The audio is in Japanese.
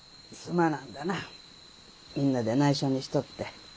みんなでないしょにしとって。